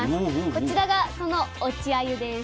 こちらがその落ちあゆです。